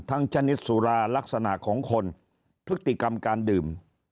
ชนิดสุราลักษณะของคนพฤติกรรมการดื่ม